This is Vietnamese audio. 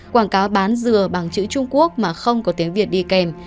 quảng cáo bán dừa bằng chữ trung quốc mà không có tiếng việt đi kèm